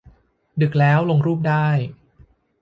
ดึกแล้ว ลงรูปได้